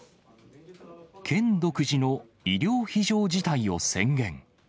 県独自の医療非常事態を宣言。